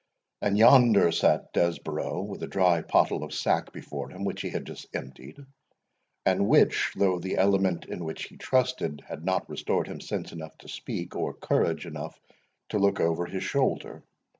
And yonder sate Desborough with a dry pottle of sack before him, which he had just emptied, and which, though the element in which he trusted, had not restored him sense enough to speak, or courage enough to look over his shoulder.